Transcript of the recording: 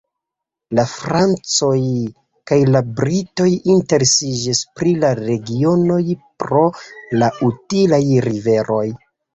La francoj kaj la britoj interesiĝis pri la regionoj pro la utilaj riveroj.